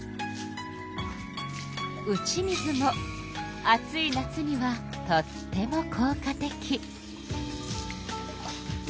打ち水も暑い夏にはとってもこう果的。